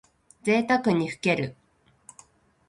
ぜいたくにふける。